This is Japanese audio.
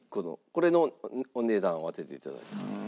これのお値段を当てていただきます。